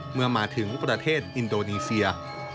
เมื่อมาถึงประเทศอินโดนีเซีย